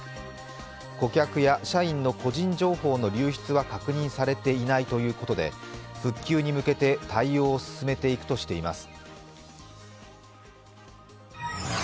顧客や社員の個人情報の流出は確認されていないということで復旧に向けて対応を進めていくとしています。